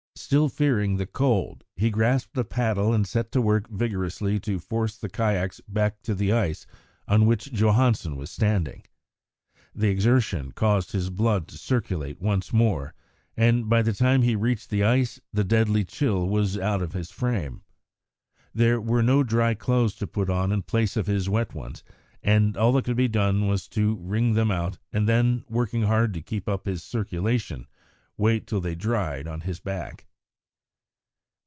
Still fearing the cold, he grasped a paddle and set to work vigorously to force the kayaks back to the ice on which Johansen was standing. The exertion caused his blood to circulate once more, and, by the time he had reached the ice, the deadly chill was out of his frame. There were no dry clothes to put on in place of his wet ones, and all that could be done was to wring them out, and then, working hard to keep up his circulation, wait till they dried on his back.